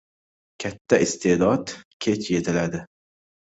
• Katta iste’dod kech yetiladi.